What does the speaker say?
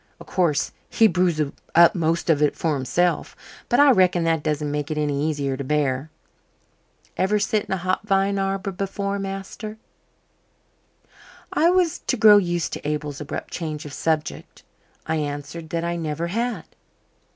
O' course, he brews up most of it for himself, but I reckon that doesn't make it any easier to bear. Ever sit in a hop vine arbour before, master?" I was to grow used to Abel's abrupt change of subject. I answered that I never had.